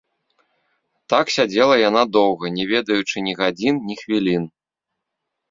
Так сядзела яна доўга, не ведаючы ні гадзін, ні хвілін.